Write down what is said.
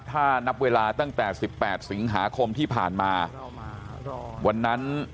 ถ้านับเวลาตั้งแต่สิบแปดสิงหาคมที่ผ่านมาวันนั้น